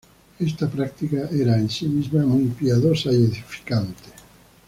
Esta práctica era en sí misma muy piadosa y edificante.